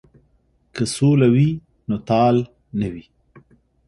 که سوله وي نو تال نه وي.